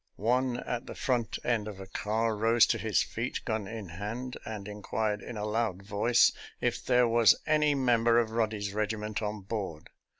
One at the front end of a car rose to his feet, gun in hand, and inquired in a loud voice if there was any mem ber of Roddy's regiment on board.